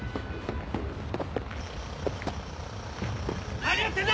何やってんだ！